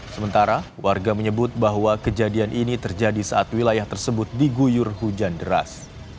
sementara warga menyebut bahwa kejadian ini terjadi saat wilayah tersebut diguyur hujan deras